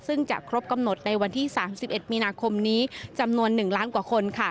ซึ่งจะครบกำหนดในวันที่๓๑มีนาคมนี้จำนวน๑ล้านกว่าคน